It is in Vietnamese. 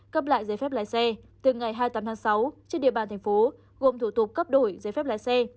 cấp lại giấy phép lái xe từ ngày hai mươi tám tháng sáu trên địa bàn thành phố gồm thủ tục cấp đổi giấy phép lái xe